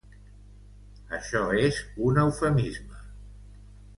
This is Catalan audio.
Això és un eufemisme.